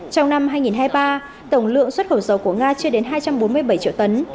trong năm hai nghìn hai mươi ba tổng lượng xuất khẩu dầu của nga chưa đến hai trăm bốn mươi bảy triệu tấn